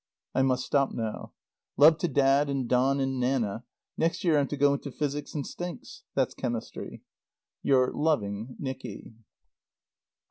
I must stop now. Love to Dad and Don and Nanna. Next year I'm to go into physics and stinks that's chemistry. Your loving NICKY.